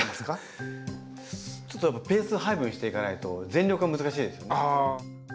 ちょっとペース配分していかないと全力は難しいですよね。